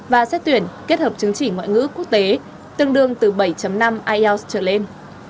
và xét tuyển kết hợp chứng chỉ ngoại ngữ quốc tế tương đương từ bảy năm ielts trở lên